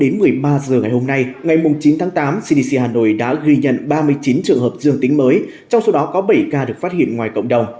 tính từ một mươi tám h ngày tám tám đến một mươi ba h ngày hôm nay ngày chín tám cdc hà nội đã ghi nhận ba mươi chín trường hợp dương tính mới trong số đó có bảy ca được phát hiện ngoài cộng đồng